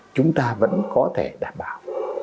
chúng ta vẫn có thể đảm bảo